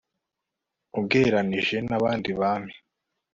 ugereranije n'abandi bami